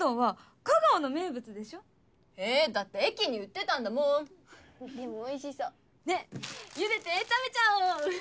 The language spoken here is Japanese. えぇだって駅に売ってたんだもんでもおいしそうねっゆでて食べちゃおう！